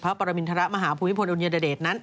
พระปรมินธรรมหาวภุมิพลอลงโยนยเดดเดศ